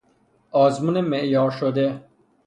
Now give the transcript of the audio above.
آزمون معیارشده